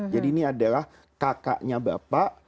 jadi ini adalah kakaknya bapak